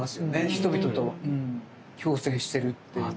人々と共生してるっていう。